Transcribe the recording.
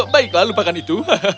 baiklah lupakan itu